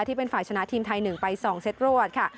ที่เป็นฝ่ายชนะทีมไทย๑ไป๒เซตรวดค่ะ